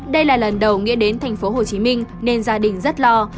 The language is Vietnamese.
đây là lần đầu nghĩa đến tp hcm nên gia đình rất lo